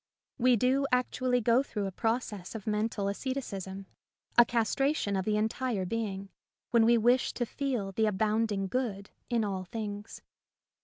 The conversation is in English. We do actually go through a process of mental asceticism, a castration of the entire being, when we wish to feel the abounding good in all things.